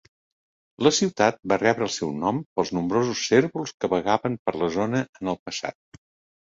La ciutat va rebre el seu nom pels nombrosos cérvols que vagaven per la zona en el passat.